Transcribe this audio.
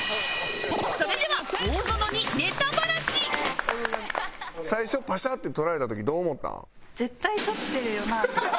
それでは最初パシャって撮られた時どう思った？